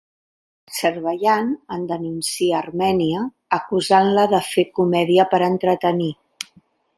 L'Azerbaidjan en denuncia Armènia, acusant-la de fer comèdia per entretenir.